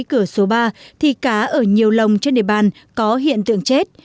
cửa số ba thì cá ở nhiều lồng trên địa bàn có hiện tượng chết